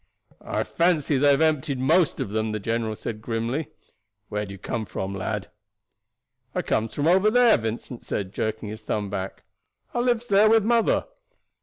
"I fancy they have emptied most of them," the general said grimly. "Where do you come from, lad?" "I comes from over there," Vincent said, jerking his thumb back. "I lives there with mother.